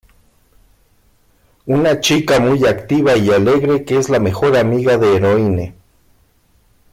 Una chica muy activa y alegre que es la mejor amiga de Heroine.